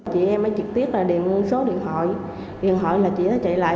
chị em mới trực tiếp là điền số điện thoại điện thoại là chị đã chạy lại